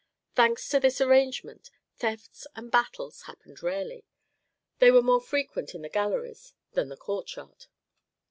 Thanks to this arrangement thefts and battles happened rarely; they were more frequent in the galleries than the courtyard.